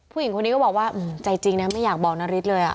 ผู้หญิงคนนี้ก็บอกว่าใจจริงนะไม่อยากบอกนาริสเลย